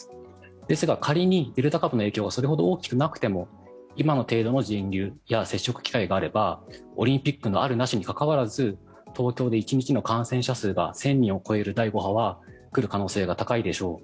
ですが、仮にデルタ株の影響がそれほど大きくなくても今の程度の人流や接触機会があればオリンピックのあるなしにかかわらず東京で１日の感染者数が１０００人を超える第５波は来る可能性は高いでしょう。